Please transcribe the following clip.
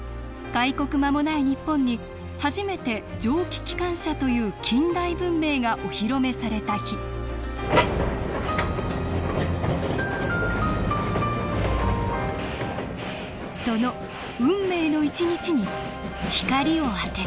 開国間もない日本に初めて蒸気機関車という近代文明がお披露目された日その運命の１日に光を当てます